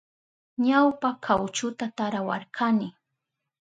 Ñawpa kawchuta tarawarkani.